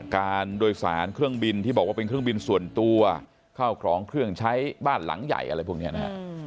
การโดยสารเครื่องบินที่บอกว่าเป็นเครื่องบินส่วนตัวเข้าของเครื่องใช้บ้านหลังใหญ่อะไรพวกนี้นะฮะ